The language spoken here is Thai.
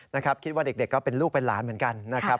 นะครับคิดว่าเด็กก็เป็นลูกเป็นหลานเหมือนกันนะครับ